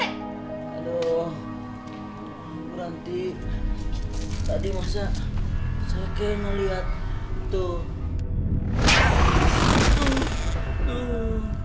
aduh berhenti tadi masa saya kayak ngeliat tuh